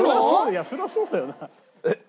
いやそりゃそうだよな。